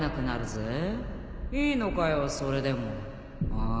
ああ？